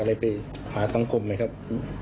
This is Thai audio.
ไม่ได้ไปหาสังคมไหมครับ